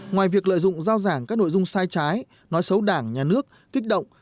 ngoài việc lợi dụng giao giảng các nội dung sai trái nói xấu đảng nhà nước kích động